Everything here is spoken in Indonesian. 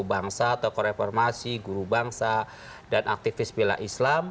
bangsa tokoh reformasi guru bangsa dan aktivis bila islam